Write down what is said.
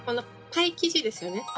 パイ生地ですよね。